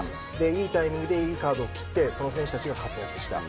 いいタイミングでいいカードを切って選手たちが活躍した。